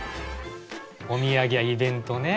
お土産やイベントね。